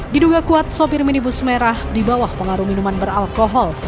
diduga kuat sopir minibus merah di bawah pengaruh minuman beralkohol